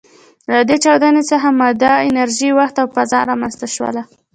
له دې چاودنې څخه ماده، انرژي، وخت او فضا رامنځ ته شول.